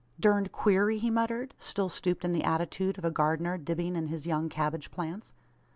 "Durned queery!" he muttered, still stooped in the attitude of a gardener dibbing in his young cabbage plants.